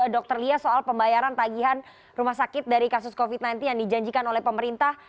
dr lia soal pembayaran tagihan rumah sakit dari kasus covid sembilan belas yang dijanjikan oleh pemerintah